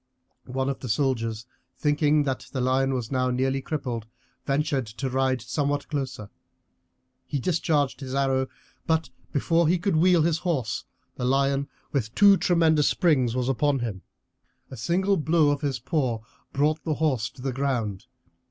One of the soldiers, thinking that the lion was now nearly crippled, ventured to ride somewhat closer; he discharged his arrow, but before he could wheel his horse the lion with two tremendous springs was upon him. A single blow of his paw brought the horse to the ground.